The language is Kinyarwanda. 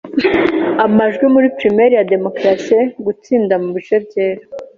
amajwi muri primaire ya Demokarasi, gutsinda mu bice byera